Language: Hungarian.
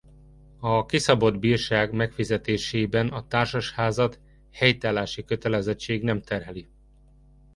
A kiszabott bírság megfizetésében a társasházat helytállási kötelezettség nem terheli.